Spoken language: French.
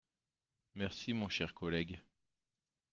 Merci, mon cher collègue.